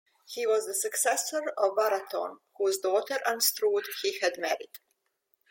He was the successor of Waratton, whose daughter Anstrude he had married.